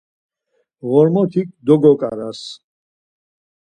Ğormotik dogoǩaras.